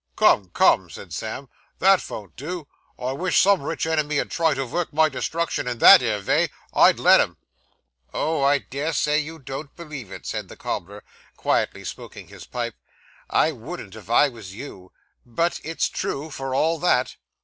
'Come, come,' said Sam, 'that von't do. I wish some rich enemy 'ud try to vork my destruction in that 'ere vay. I'd let him.' 'Oh, I dare say you don't believe it,' said the cobbler, quietly smoking his pipe. 'I wouldn't if I was you; but it's true for all that.